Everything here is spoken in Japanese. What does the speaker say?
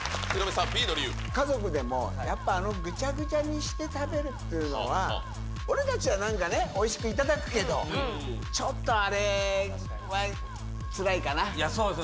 家族でも、やっぱあのぐちゃぐちゃにして食べるっていうのは、俺たちはなんかね、おいしく頂くけど、いや、そうですよ。